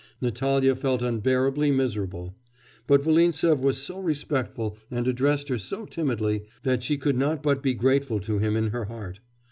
Natalya felt unbearably miserable; but Volintsev was so respectful, and addressed her so timidly, that she could not but be grateful to him in her heart.